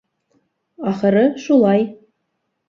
Ахыры, шулай.